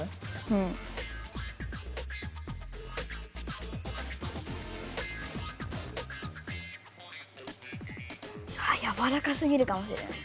うん。あっやわらかすぎるかもしれない。